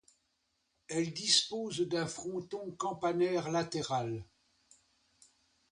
Elle dispose d'un fronton campanaire latéral.